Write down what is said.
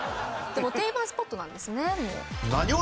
「定番スポットなんですね」。